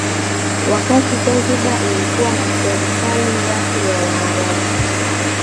Wakati Zanzibar ilikuwa na serikali yake ya Waarabu